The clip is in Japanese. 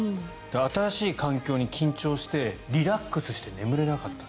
新しい環境に緊張してリラックスして眠れなかった。